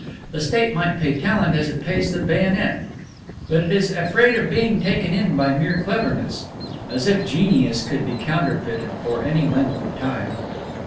The State might pay talent as it pays the bayonet; but it is afraid of being taken in by mere cleverness, as if genius could be counterfeited for any length of time.